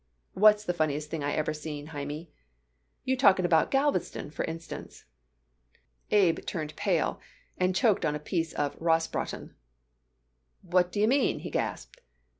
"What's the funniest thing I ever seen, Hymie?" "You talking about Galveston, for instance." Abe turned pale and choked on a piece of rosbraten. "What d'ye mean?" he gasped.